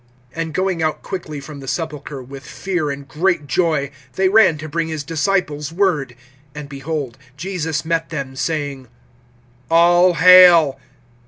(8)And going out quickly from the sepulchre, with fear and great joy, they ran to bring his disciples word. (9)And behold, Jesus met them, saying: All hail!